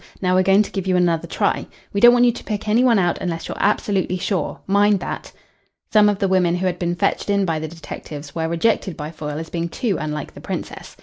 Now we're going to give you another try. We don't want you to pick any one out unless you're absolutely sure. Mind that." Some of the women who had been fetched in by the detectives were rejected by Foyle as being too unlike the Princess.